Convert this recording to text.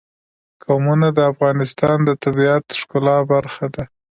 قومونه د افغانستان د طبیعت د ښکلا برخه ده.